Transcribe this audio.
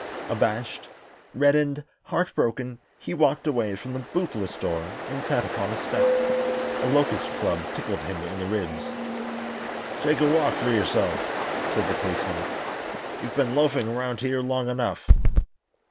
Abashed, reddened, heartbroken, he walked away from the bootless door and sat upon a step. A locust club tickled him in the ribs. "Take a walk for yourself," said the policeman. "You've been loafing around here long enough."